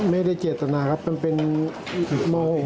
ไม่ได้เจตนาครับมันเป็นโมโห